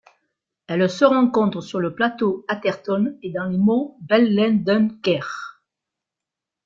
Elle se rencontre sur le plateau Atherton et dans les monts Bellenden Ker.